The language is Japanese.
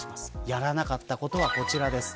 やらなかったことはこちらです。